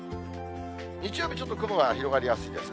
日曜日、ちょっと雲が広がりやすいですね。